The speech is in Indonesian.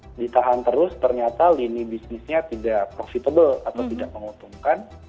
jadi ditahan terus ternyata lini bisnisnya tidak profitable atau tidak menguntungkan